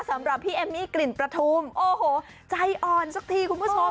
สำหรับพี่เอมมี่กลิ่นประทุมโอ้โหใจอ่อนสักทีคุณผู้ชม